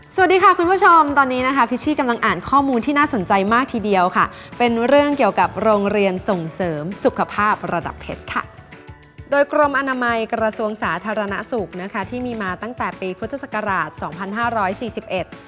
สวัสดีค่ะคุณผู้ชมตอนนี้นะคะพิชชี่กำลังอ่านข้อมูลที่น่าสนใจมากทีเดียวค่ะเป็นเรื่องเกี่ยวกับโรงเรียนส่งเสริมสุขภาพระดับเพชรค่ะโดยกรมอนามัยกระทรวงสาธารณสุขนะคะที่มีมาตั้งแต่ปีพุทธศักราชสองพันห้าร้อยสี่สิบเอ็ด